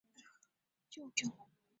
救救我啊！